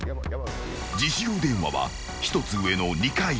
自首用電話は１つ上の２階。